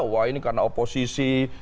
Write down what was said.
wah ini karena oposisi